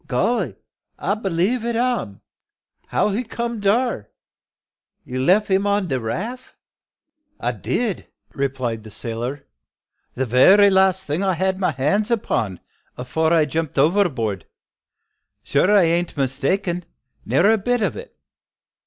"Golly! I b'lieve it am. How he come dar? You leff 'im on de raff?" "I did," replied the sailor. "The very last thing I had my hands upon, afore I jumped overboard. Sure I bean't mistaken, ne'er a bit o' it.